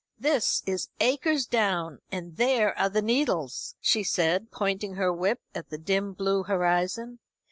"This is Acres Down, and there are the Needles," she said, pointing her whip at the dim blue horizon.